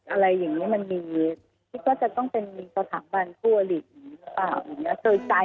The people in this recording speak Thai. อะไรอย่างนี้มันมีที่ก็จะต้องเป็นสถาบันทั่วหลีกอย่างนี้หรือเปล่า